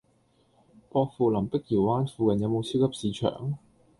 薄扶林碧瑤灣附近有無超級市場？